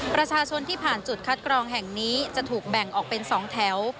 ประชาชนที่ผ่านจุดคัดกรองแห่งนี้จะถูกแบ่งออกเป็น๒แถว